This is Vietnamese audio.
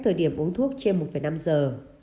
thời điểm uống thuốc trên một năm giờ